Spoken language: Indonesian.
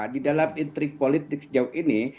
di dalam intrik politik sejauh ini